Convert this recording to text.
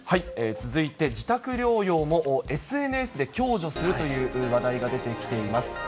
続いて自宅療養もＳＮＳで共助するという話題が出てきています。